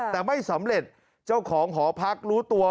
แต่ไม่สำเร็จเจ้าของหอพักรู้ตัว